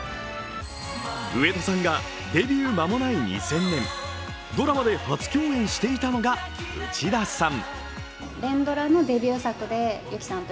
上戸さんがデビュー間もない２０００年、ドラマで初共演していたのが内田さん。